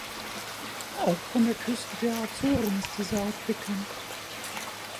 Auch von der Küste der Azoren ist die Art bekannt.